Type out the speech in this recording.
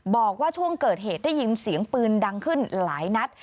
บอกว่าช่วงเกิดเหตุได้ยินเสียงปืนดังขึ้นหลายนัด